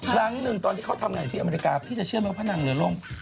ครั้งหนึ่งตอนที่เขาทำงานอยู่ที่อเมริกาพี่จะเชื่อไหมว่านางเรือล่ม